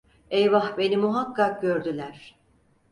Eyvah, beni muhakkak gördüler…